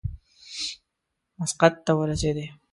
مسقط ته ورسېدی.